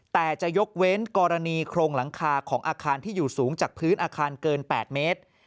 แต่จะยกเว้นกรณีโครงหลังคาของอาคารที่อยู่สูงจากพื้นอาคารเกิน๘เมตร